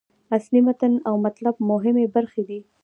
اصلي متن او مطلب مهمې برخې دي.